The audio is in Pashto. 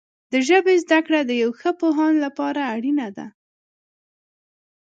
د ژبې زده کړه د یو ښه پوهاند لپاره اړینه ده.